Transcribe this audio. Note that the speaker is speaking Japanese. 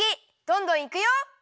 どんどんいくよ！